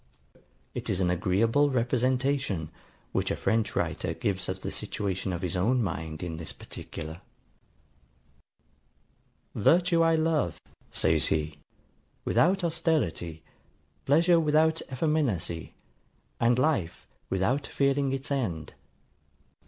It is an agreeable representation, which a French writer gives of the situation of his own mind in this particular, VIRTUE I LOVE, says he, WITHOUT AUSTERITY: PLEASURE WITHOUT EFFEMINACY: AND LIFE, WITHOUT FEARING ITS END.